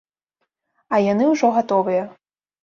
А яны ўжо гатовыя.